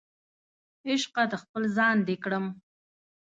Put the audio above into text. عشقه د خپل ځان دې کړم